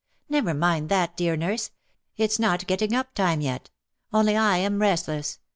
" Never mind that, dear nurse. It is not getting up lime yet — only I am restless.